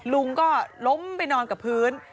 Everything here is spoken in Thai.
ลุงก็ล้มไปนอนกับพื้น